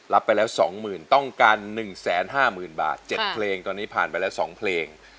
รับไปแล้วสองหมื่นต้องการหนึ่งแสนห้าหมื่นบาทค่ะเจ็ดเพลงตอนนี้ผ่านไปแล้วสองเพลง